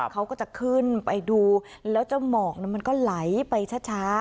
เขาก็จะขึ้นไปดูแล้วเจ้าหมอกมันก็ไหลไปช้า